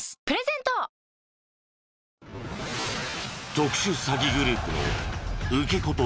特殊詐欺グループの受け子と